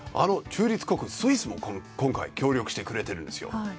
中立国スイスも今回協力してくれてるんです。